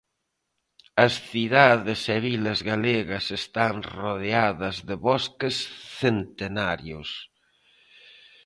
As cidades e vilas galegas están rodeadas de bosques centenarios.